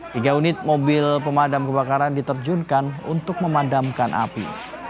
tiga unit mobil pemadam kebakaran diterjunkan untuk memadamkan api